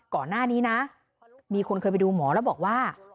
ก่อนหน้านี้นะมีคนเคยไปดูหมอแล้วบอกว่า